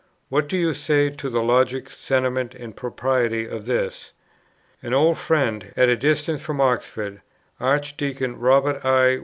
What do you say to the logic, sentiment, and propriety of this?" An old friend, at a distance from Oxford, Archdeacon Robert I.